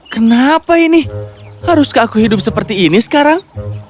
kenapa ini haruskah aku hidup seperti ini sekarang